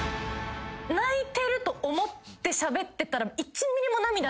泣いてると思ってしゃべってたら。